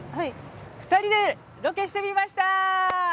「２人でロケしてみました！」。